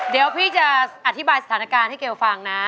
เดี๋ยวพี่จะอธิบายสถานการณ์ให้เกลฟังนะ